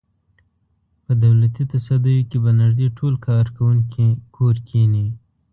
په دولتي تصدیو کې به نږدې ټول کارکوونکي کور کېني.